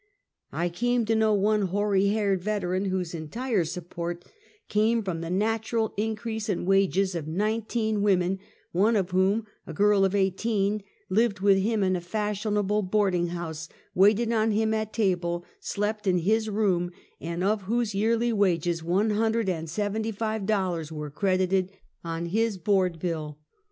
I came to know one hoary haired veteran, whose entire support came from the natural increase and wages of nineteen women, one of whom, a girl of eighteen, lived with him in a fashion able boarding house, waited on him at table, slept in his room, and of whose yearly wages one hundred and seventy five dollars were credited on his board bill.